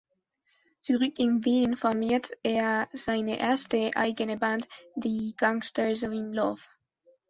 Zurück in Wien formiert er seine erste eigene Band „The Gangsters In Love“.